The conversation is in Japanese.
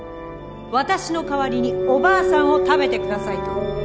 「私の代わりにおばあさんを食べて下さい」と。